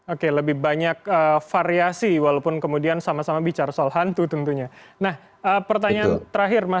oke lebih banyak variasi walaupun kemudian sama sama bicara soal hantu tentunya nah pertanyaan terakhir mas